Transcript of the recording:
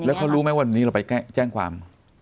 แล้วเขารู้ไหมว่าวันนี้เราไปแจ้งความ